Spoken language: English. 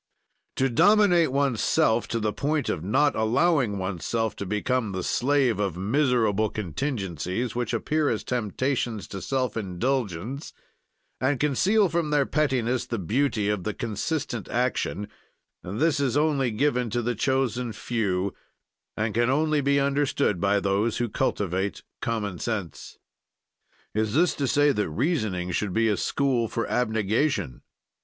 "To dominate oneself to the point of not allowing oneself to become the slave of miserable contingencies which appear as temptations to self indulgence, and conceal from their pettiness the beauty of the consistent action this is only given to the chosen few and can only be understood by those who cultivate common sense." Is this to say that reasoning should be a school for abnegation.